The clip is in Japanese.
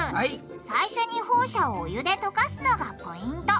最初にホウ砂をお湯で溶かすのがポイント！